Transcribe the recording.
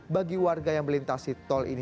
bagi warga yang melintasi tol ini